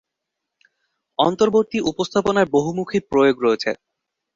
অন্তর্বর্তী উপস্থাপনার বহুমুখী প্রয়োগ রয়েছে।